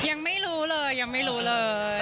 ยังไม่รู้เลยยังไม่รู้เลย